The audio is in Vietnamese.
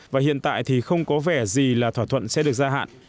và hiện tại thì không có vẻ gì là thỏa thuận sẽ được gia hạn